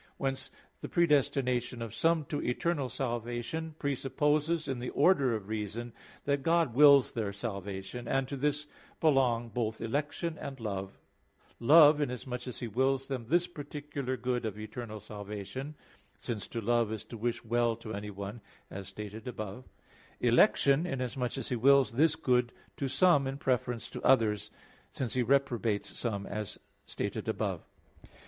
Whence the predestination of some to eternal salvation presupposes, in the order of reason, that God wills their salvation; and to this belong both election and love: love, inasmuch as He wills them this particular good of eternal salvation; since to love is to wish well to anyone, as stated above (Q. 20, AA. 2 ,3): election, inasmuch as He wills this good to some in preference to others; since He reprobates some, as stated above (A.